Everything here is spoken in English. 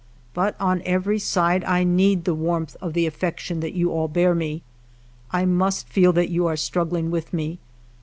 But on every side I need the warmth of the affection that you all bear me ; I must feel that you are struggling with me.